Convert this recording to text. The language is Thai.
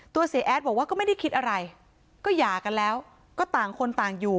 เสียแอดบอกว่าก็ไม่ได้คิดอะไรก็หย่ากันแล้วก็ต่างคนต่างอยู่